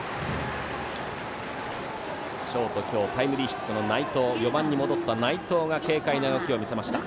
ショート今日タイムリーヒットの４番に戻った内藤が軽快な動きを見せました。